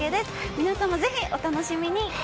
皆様、ぜひお楽しみに。